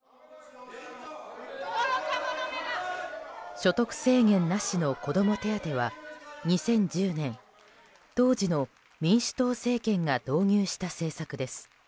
所得制限なしの子ども手当は２０１０年、当時の民主党政権が導入した政策です。